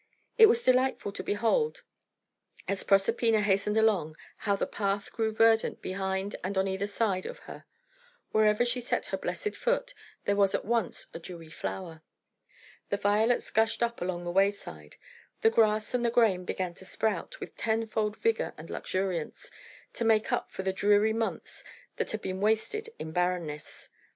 It was delightful to behold, as Proserpina hastened along, how the path grew verdant behind and on either side of her. Wherever she set her blessed foot, there was at once a dewy flower. The violets gushed up along the wayside. The grass and the grain began to sprout with tenfold vigour and luxuriance, to make up for the dreary months that had been wasted in barrenness.